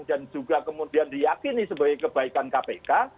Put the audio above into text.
dan juga kemudian diyakini sebagai kebaikan kpk